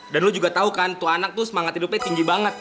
dan lo juga tahu kan tua anak tuh semangat hidupnya tinggi banget